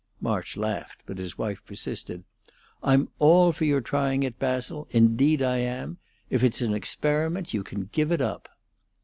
March laughed, but his wife persisted. "I'm all for your trying it, Basil; indeed I am. If it's an experiment, you can give it up."